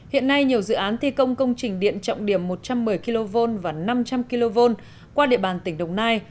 hiện nay nhiều dự án thi công công trình điện trọng điểm một trăm một mươi kv và năm trăm linh kv qua địa bàn tỉnh đồng nai